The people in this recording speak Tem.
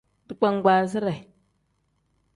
Digbangbaazire.